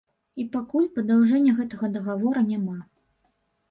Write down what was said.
І пакуль падаўжэння гэтага дагавора няма.